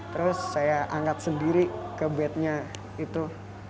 terus saya angkat sendiri ke bednya itu